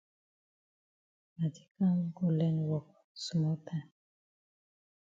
I di kam go learn wok small time.